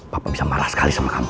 bapak bisa marah sekali sama kamu